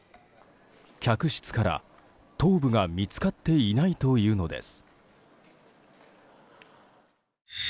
客室から頭部が見つかっていないというのです。